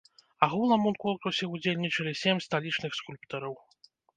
Агулам у конкурсе ўдзельнічалі сем сталічных скульптараў.